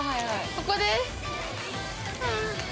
ここです！